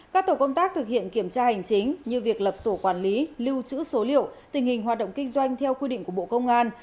các tổ công tác thực hiện kiểm tra hành chính như việc lập sổ quản lý lưu trữ số liệu tình hình hoạt động kinh doanh theo quy định của bộ công an